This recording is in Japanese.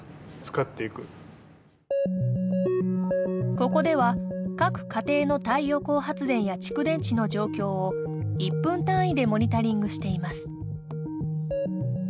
ここでは各家庭の太陽光発電や蓄電池の状況を１分単位でモニタリングしています。